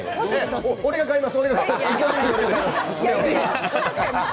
俺が買います！